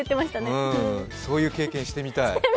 そういう経験、してみたい。